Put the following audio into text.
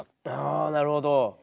あなるほど。